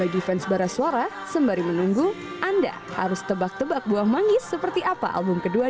defense baras suara sembari menunggu anda harus tebak tebak buah manggis seperti apa album kedua